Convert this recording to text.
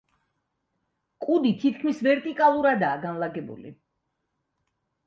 კუდი თითქმის ვერტიკალურადაა განლაგებული.